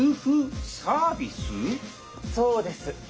そうです！